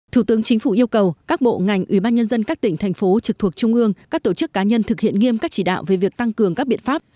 thủ tướng chính phủ yêu cầu các bộ ngành ủy ban nhân dân các tỉnh thành phố trực thuộc trung ương các tổ chức cá nhân thực hiện nghiêm các chỉ đạo về việc tăng cường các biện pháp